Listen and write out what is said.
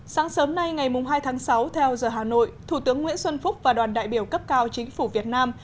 sáng sớm nay ngày hai tháng sáu theo giờ hà nội thủ tướng nguyễn xuân phúc và đoàn đại biểu cấp cao chính phủ việt nam